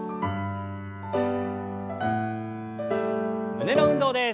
胸の運動です。